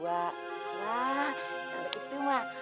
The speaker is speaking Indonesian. wah ada itu mah